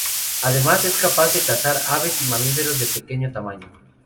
Además, es capaz de cazar aves y mamíferos de pequeño tamaño.